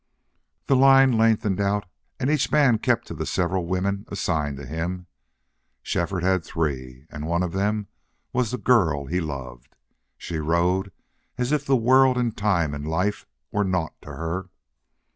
The line lengthened out and each man kept to the several women assigned to him. Shefford had three, and one of them was the girl he loved. She rode as if the world and time and life were naught to her.